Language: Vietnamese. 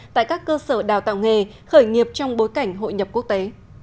tại các cơ sở đào tạo nghề khởi nghiệp trong bối cảnh hội nhập quốc tế